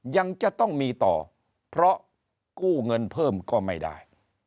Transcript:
ยังจะต้องมีต่อเพราะกู้เงินเพิ่มก็ไม่ได้